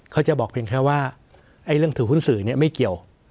เขาจะบอกเพียงแค่ว่าเรื่องถือหุ้นสื่อไม่เกี่ยว